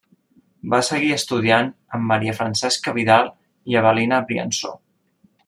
Va seguir estudiant amb Maria Francesca Vidal i Avel·lina Briansó.